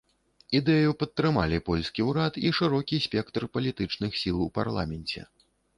Ідэю падтрымалі польскі ўрад і шырокі спектр палітычных сіл у парламенце.